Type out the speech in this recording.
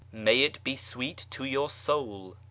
(" May it be sweet to your soul